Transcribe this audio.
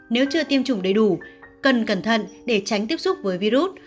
nếu chưa tiêm chủng đầy đủ cần cẩn thận để tránh tiếp xúc với virus